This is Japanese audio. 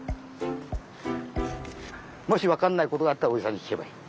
もしわかんないことがあったらおじさんにきけばいい。